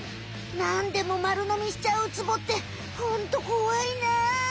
なんでも丸のみしちゃうウツボってホントこわいな。